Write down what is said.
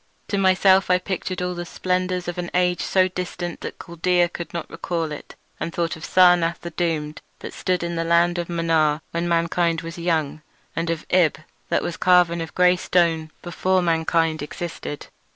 To myself I pictured all the splendours of an age so distant that Chaldaea could not recall it, and thought of Sarnath the Doomed, that stood in the land of Mnar when mankind was young, and of Ib, that was carven of grey stone before mankind existed.